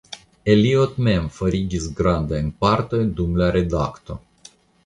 Eliot mem forigis grandajn partojn dum la redakto.